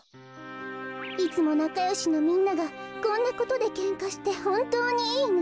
いつもなかよしのみんながこんなことでけんかしてほんとうにいいの？